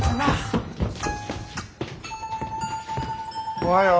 おはよう。